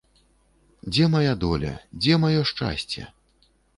Дзе мая доля, дзе маё шчасце?